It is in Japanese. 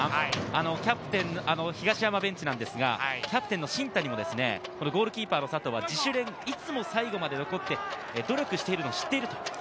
東山ベンチなんですが、キャプテンの新谷もゴールキーパーの佐藤は自主練、いつも最後まで残って努力しているのを知っている。